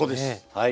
はい。